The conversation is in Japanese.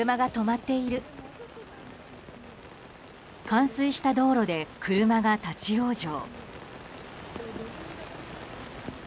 冠水した道路で車が立ち往生。